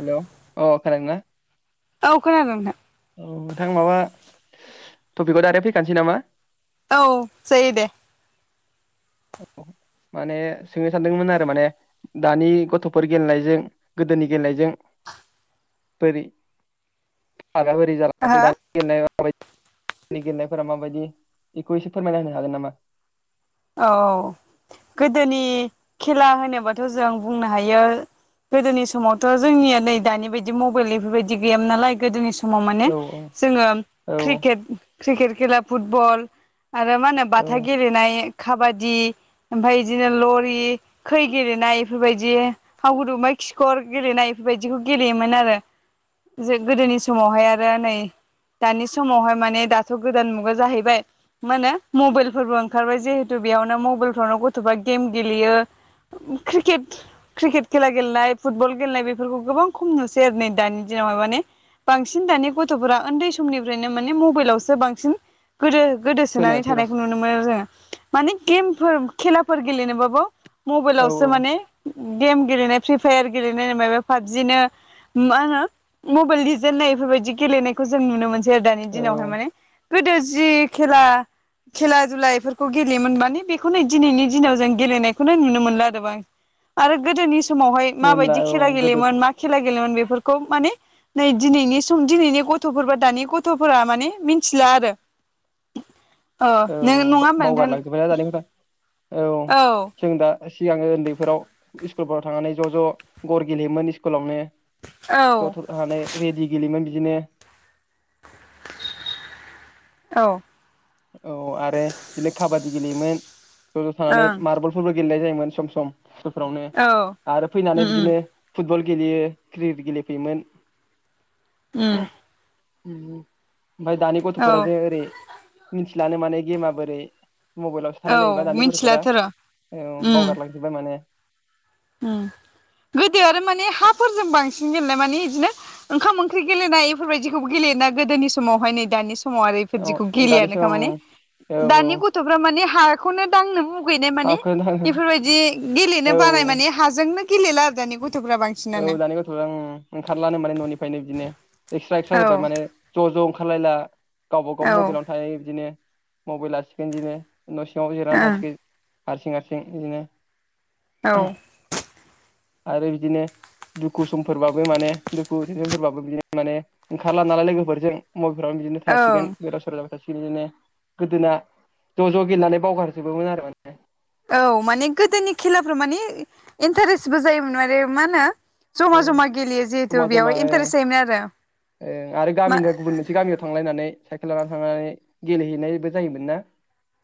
हेल' अ खोनादों ना। औ खोनादों नोंथां औ नोंथां माबा। टपिकखौ दारेक्ट फैखानोसै नामा। औ जायो दे। औ माने सोंनो सानदोंमोन आरो माने दानि गथ'फोर गेलेनायजों गोदोनि गेलेनायजों बोरै हो [unintelligible] गेलेनायफोरा माबायदि बेखौ एसे फोरमायना होनो हागोन नामा। औ औ गोदोनि खेला होनोबाथ' जों बुंनो हायो गोदोनि समावथ' जोंनिया नै दानि बायदि मबाइल बेफोरबायदि गैयामोन नालाय गोदोनि सम। समाव माने औ औ जोङो औ क्रिकेट क्रिकेट खेला फुटबल। आरो मा होनो औ बाथा गेलेनाय। खाबादि ओमफफ्राय बिदिनो लरि खै गेलेनाय बेफोरबायदि हा गुदुबा खिखर गेलेनाय बेफोरबायदिखौ गेलेयोमोन आरो गोदोनि समावहाय आरो नै दानि समावहाय माने दाथ' गोदान मुगा जाहैबाय मा होनो मबाइलफोरबो ओंखारबाय जि बेयावनो मबाइलफ्रावनो गथ'फ्रा गेम गेलेयो क्रि क्रिकेट खेला गेलेनाय फुटबल गेलेनाय बेफोरखौ गोबां खम नुसै आरो नै दानि दिनावहाय माने बांसिन दानि गथ'फोरा उन्दै समनिफ्रायनो माने मबाइलावसो बांसिन। गोदो गोदोसोनानै खोनायासै र' थानायखौ नुनो मोनो जोङो माने गेमफोर खेलाफोर गेलेनो बाबो। औ मबाइलावस माने। गेम गेलेनाय फ्रि फायार गेलेनाय मा पाबजिनो मा होनो मबाइल लजेननाय बेफोरबायाददि गेलेनायखौ जों नुनो मोन जेर दानि औ दिनावहाय माने गोदो जि खेला खेला दुला इफोरखौ गेलेयोमोन माने बेखौनो दिनैनि दिनाव जों गेलेनायखौनो नुनो मोनला आरो आ आरो गोदोनि। समावहाय मा होनब्ला बायदि औ खेला गोदो गेलयोन मा औ खेला गेलयोन बे फोरखौ माने नै दिनैनि सम दिनैनि गथफोर बा दानि गथ'फोरा माने मिथिला आरो अ नों नङा होनबा नों लांजोब्बाय ना [unintelligible] औ औ जों दा सिगाङो उन्दैफोराव स्कुलफोराव थांनानै ज' ज' गर गेलेयोमोन स्कुलावनो। औ जथ' हानाय रेडि गेलेयोमोन। बिदिनो। औ। औ आरो बिदिनो खाबादि गेलेयोमोन। थानानै ओं मारबलफोरबो। गेलेनाय जायोमोन सम सम। [unintelligible] फ्रावनो औ आरो उम फैनानै बिदिनो। फुटबल गेलेयो क्रिकेट गेलेफैयोमोन। उम। [unintelligible] ओमफाय दानि गथ'फोरा औ जे ओरै। मिथिलानो माने गेमा बोरै। मबाइलावसो थानाय औ जायोबा दानि गथ'फोरा मिथिलाथ' र' औ उम बावगारलांजोब्बाय माने। उम गोदो आरो माने हाफोरजों बांसिन गेलेनाय माने इदिनो ओंखाम ओंख्रि गेलेनाय इफोरबायदिखौबो गेलेयोना गोदोनि समावहाय नै दानि समाव। [unintelligible] आरो औ इफोरदिखौ दानिसो गेलेयानोखा औ माने औ औ दानि गथ'फ्रा माने हाखौनो दांनो मुगैनाय माने हाखौ इफोरबायदि गेलेनो औ बानाय औ माने जोंनो गेलला आरो दानि गथ'फ्रा बांसिनानो औ दानि गथ' ओं ओंखारलानो माने न'निफ्रायनो बिदिनो एक्सट्रा एक्सट्रा जाबाय औ माने ज' ज' ओं [unintelligible] गावबा गाव औ मबाइलावनो थायो बिदिनो। मबाइल आसि [unintelligible] न' सिङाव जिरायनानै ओं थासिगोन। हारसिं हारसिं बिदिनो। औ। आरो बिदिनो। दुखु समफोरबाबो माने दुखु [unintelligible] बिदिनो माने ओंखारला नालाय लोगोफोरजों। मबाइफोराव बिदिनो थासिगोन ओं गोदाव सोराव। [unintelligible] गोदोना ज' ज' गेलेनानै बावगारजोबोमोन आरो माने। औ माने गोदोनि खेलाफ्राव माने इन्टारेस्टबो जायोमोन [unintelligible] मा होनो। औ जमा जमा गेलेयो जिहेथु जमा बेयाव जमा ओं इन्टारेस्ट जायोमोन आरो ओं आरो मा गामिनिफ्राय गुबुन मोनसे गामियाव थांलायनानै। साइकेल लानानै थांनानै गेलेहैनायबो जायोमोन ना?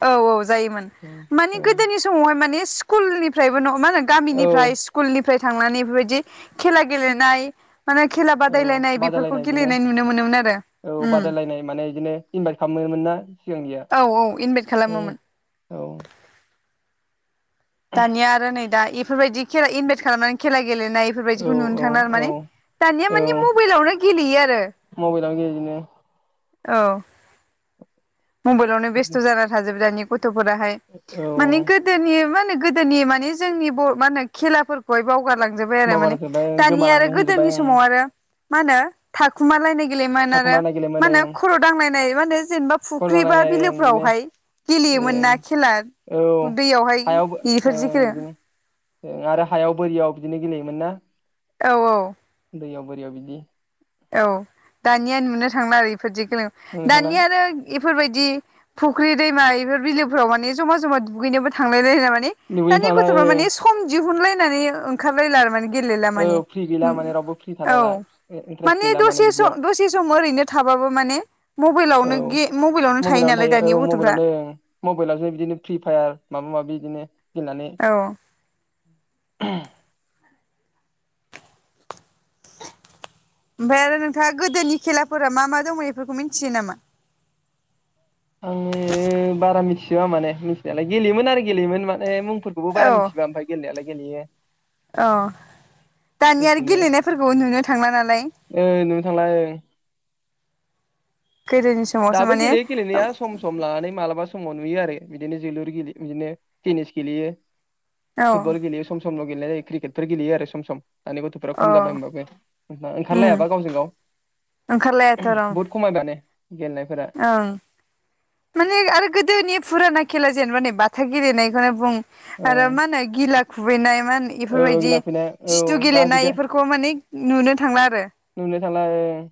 औ औ जायोमोन औ मानि गोदोनि समावहाय मानि कुलनिफ्रायबो न मा होनो औ गामिनिफ्राय स्कुलनि फ्राय थांनानै बेफोरबायदि खेला गेलेनाय। माने खेला औ बादायलायनाय बेफोरखौ बादायलायनाय बिदिनो गेलेनाय नुनो मोनोमोन आरो औ उम बादायलायनाय माने इदिनो इनभाइट खालामोमोन ना सिगांनिया औ औ इनभाइट औ खालामोमोन। औ दानिया आरो नै दा फोरबायदि खेला इनभाइट खालामनानै खेला गेलेनाय औ इफोरबायदिखौ नुनो औ थांला औ माने दानिया औ माने मबाइलावनो गेलेयो आरो। दिनो औ मबेलावनो बेस्थ' जानानै थाजोबो दानिग थफोराहाय माने औ गोदोनि मोन नो गोदोनि माने जोंनि बर मा होनो खेलाफोरखौहाय बाव गारलांजोबबाय आरो माने बावगारजोब्बाय दानि आरो गोमालांनो हमजोब्बाय गोदोनि ओं समाव आरो मा होनो थाखुमा लायनाय गेलेयो मोन‌ आरो थाखुमानाय गेलेयोमोन मानो‌ ओं खर' दांलायनाय मा होन्दोज जेनेबा खल फुख्रि बा जालायनाय ओं बिदिनो बिलोफोरावहाय गेलेयोमोन ना खेला ओं औ दैयावहाय बेफोरजो खेला ओ आरो हायाव बोरियाव बिदिनो गेलेयोमोन ना? औ औ दैयाव बोरियाव बिदि औ दानिया नुनो थांला आरो इब खोदिखोनो बुंनो थांला दानिया आरो फोरबायदि फुख्रि दैमा इफोर बिलोफोराव माने जमा जमा दुगैनोबो थांलायला ने दुगैनो दानि थांला गथ'फोरा ओं माने सम दिहुनलाय नानै ओंखार लायला आरो माने गेलेला माने औ फ्रि गैला माने रावबो फ्रि थालायला इ इनट्रेस ओ दसे स दसे सम ओरैनो थाबाबो माने औ मबेलावनो गे मबेलाव थायो मबाइलावनो नालाय दानि औ गथ'फ्रा मबाइलावनो ओं मबाइलावसो फैनानै औ ओमफाय आरो नोंथांङा गोदोनि खेलाफोरा मा मा दंमोन इफोरखौ मिथियो नामा? आंङो बारा मिथिआ माने मिथिनायालाय गेलेयोमोन आरो गेलेयोमोन माने मब फोरखौबो बारा मिथिबा बारा गेलेनाया लाय गेलेयो अ दानि आरो बिदिनो गेलेनायफोरखौ नुनो थांला नालाय। ओ नुनो थांला ओं गोदोनि समावसो दाबो माने गेलेयो गेलेनाया सम सम लानानै मालाबा समाव नुयो आरो बिदिनो जोलुर गेलेयो इदिनो टेनिस गेलेयो। औ फुटबल गेलेयो सम स सम गेलेनाय क्रिटफोर गेलेयो आरो सम सम दानि गथ'फोरा अ खम जाबाय होमबाबो उम ओंखारलायाबा गावजों गाव बहुद खमायबाय माने औ। माने आरो गोदोनि फुराना खेला जेनेबा नै बाथा गेलेनायखौनो बुं ओं आरो मा होनो, गिला खुबैनाय मा होनो औ इफोरबायदि गिला फैनाय औ खिथु दा गेलेनाय बिदि बेफोरखौ माने नुनो थांला आरो नुनो थांला ओं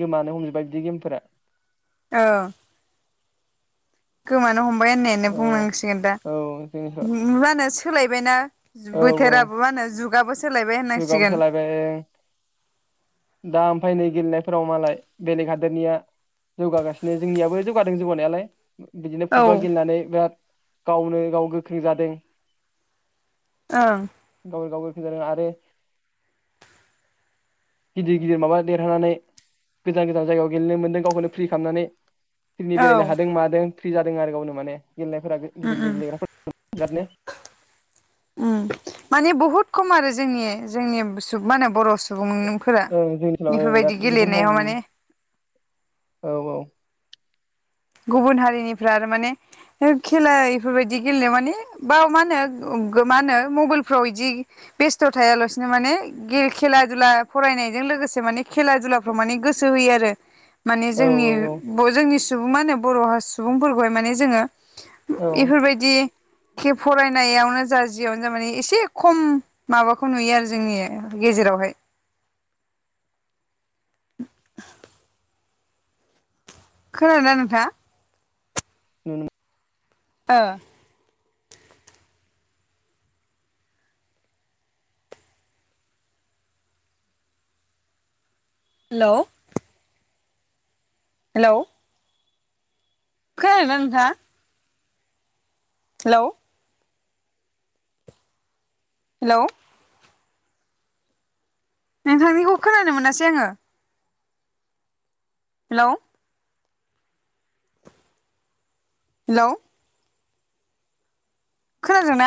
गोमानो हमबाय बिदि गेम फोरा औ गोमानो हम बाय होननायानो औ बुंनांसिगोन दा। औ जोंनिखौ माहोनो सै सोलायबायना औ औ बोथोराबो मा होनो जुगाबो सोलायबाय जुगाबो होननांसिगोन। सोलायबाय फैनाय गेलेनायफोराव मालाय बेलेग हादोरनिया जौगागासिनो जोंनियाबो जौगादों जौगानायालाय बिदिनो औ फुटबल गेलेनानै बिराद गावनो गाव गोख्रों जादों। ओं [unintelligible] आरो गिदिर गिदिर माबा देरहानानै गोजान गोजान जायगायाव गेलेनो मोन्दों गावखौनो फ्रि खालामनानै [unintelligible] औ गेलेनो हादों मादों। फ्रि जादों आरो गावनो माने गेलेनायफोरा उम गिदिर उम गिदिर गेलेग्रा [unintelligible] बुहुद खम आरो जोंनि जोंनि माहोनो बर' सु सुबुं नों फोरा ओं जोंनि ओनसोलाव ओं बेफोरबायदि बिराद जोबोद गेलेनायाव खम माने औ गुबुन हारिनिफ्रा आरो माने खेला इफोरबायदि गेलेनायाव माने बाव मा होनो मा होनो मबाइलफ्राव बिदि बेस्थ' थायालासिनो माने खेला दुला फरायनायजों लोगोसे माने खेला दुलाफ्राव माने गोसो होयो आरो। माने औ जोंनि बय जोंनि सुबुं मा होनो बर' सुबुंफोरखौहाय माने जोङो औ इफोरबायदि एखे फरायनायावनो जा जियावनो जा माने एसे खम माबाखौ नुयो आरो जोंनि गेजेरावहाय। [inaudible] खोनादों नोंथाङा? नुनो ओ हेल' हेलौ खोनादोना नोंथाङा? हेलौ हेलौ नोंथांनिखौ खोनानो मोनासै आङो। हेलौ हेलौ खोनादोंना